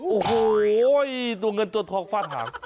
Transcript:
โอ้โฮตัวเงินจนทอดฟาดหาง